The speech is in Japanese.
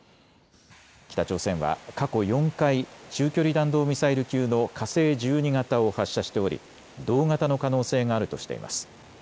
北朝鮮は過去４回、中距離弾道ミサイル級の火星１２型を発射しており同型の可能性があるとしています。